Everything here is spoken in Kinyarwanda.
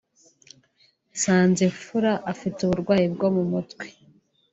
Nsanzimfura afite uburwayi bwo mu mutwe